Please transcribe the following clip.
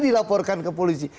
dilaporkan ke polisi